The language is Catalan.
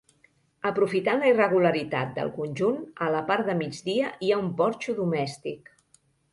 Aprofitant la irregularitat del conjunt, a la part de migdia hi ha un porxo domèstic.